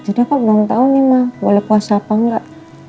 jadi aku belum tahu nih mah boleh puasa apa nggak